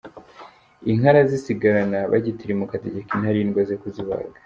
Inka arazisigarana, bagitirimuka ategeka Intarindwa ze kuzibaga.